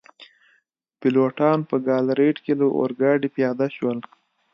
پیلوټان په ګالاریټ کي له اورګاډي پیاده شول.